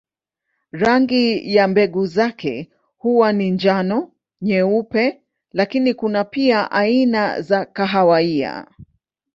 Rangi ya mbegu zake huwa ni njano, nyeupe lakini kuna pia aina za kahawia.